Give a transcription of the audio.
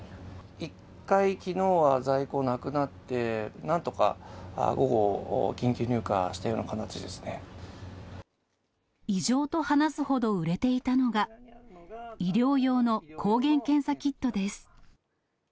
一回、きのうは在庫なくなって、なんとか午後、緊急入荷したよう異常と話すほど売れていたのが、医療用の抗原検査キットです。